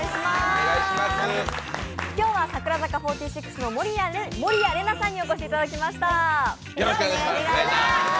今日は櫻坂４６の守屋麗奈さんにお越しいただきました。